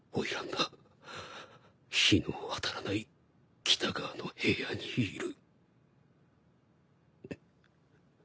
日の当たらない北側の部屋にいる。